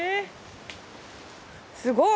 すごい！